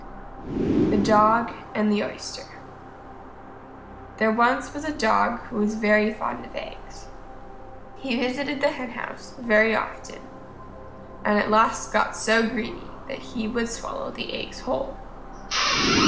_ THE DOG AND THE OYSTER There was once a Dog who was very fond of eggs. He visited the hen house very often and at last got so greedy that he would swallow the eggs whole.